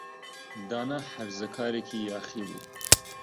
دانا هەرزەکارێکی یاخی بوو.